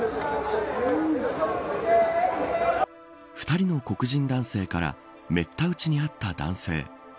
２人の黒人男性からめった打ちにあった男性。